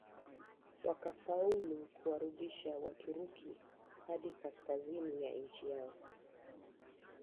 Wakafaulu kuwarudisha Waturuki hadi kaskazini ya nchi yao